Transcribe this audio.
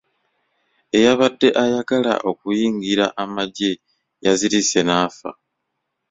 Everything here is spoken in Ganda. Eyabadde ayagala okuyingira amagye yazirise n'afa.